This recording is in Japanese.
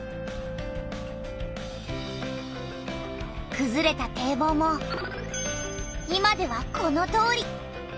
くずれた堤防も今ではこのとおり。